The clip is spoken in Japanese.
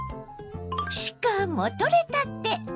しかもとれたて。